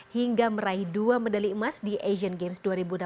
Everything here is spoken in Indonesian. hingga meraih dua medali emas di asian games dua ribu delapan belas